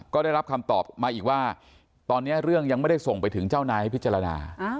ก็ได้รับคำตอบมาอีกว่าตอนนี้เรื่องยังไม่ได้ส่งไปถึงเจ้านายให้พิจารณา